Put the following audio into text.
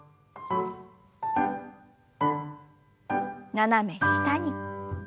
斜め下に。